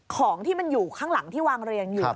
ของที่มันอยู่ข้างหลังที่วางเรียงอยู่